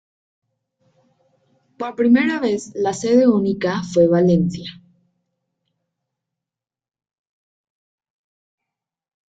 Por primera vez la sede única fue Valencia.